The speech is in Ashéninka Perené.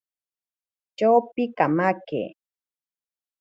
Tyopi kamake.